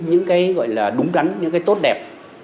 những cái gọi là đúng đắn những cái tốt đẹp